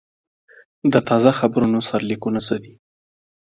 د تازه خبرونو سرلیکونه څه دي؟